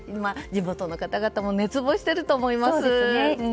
地元の方々も熱望していると思います。